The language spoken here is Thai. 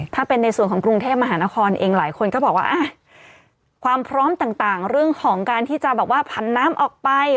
ถ้าเป็นในส่วนของกรุงเทพมหานครเองหลายคนก็บอกว่าอ่ะความพร้อมต่างเรื่องของการที่จะแบบว่าผันน้ำออกไป